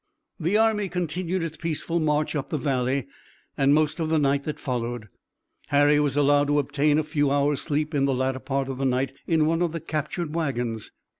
The army continued its peaceful march up the valley and most of the night that followed. Harry was allowed to obtain a few hours sleep in the latter part of the night in one of the captured wagons.